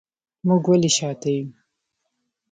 موږ ولې شاته یو